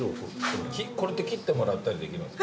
これって切ってもらったりできるんですか？